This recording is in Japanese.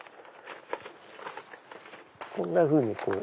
こんなふうにこう。